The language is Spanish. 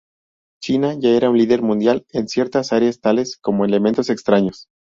China ya era un líder mundial en ciertas áreas tales como elementos extraños.